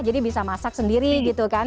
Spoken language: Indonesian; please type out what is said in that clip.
jadi bisa masak sendiri gitu kan